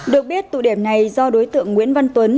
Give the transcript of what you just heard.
được biết tụ điểm này do đối tượng nguyễn văn tuấn